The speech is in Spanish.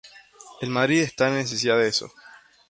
El Madrid está en la necesidad de eso.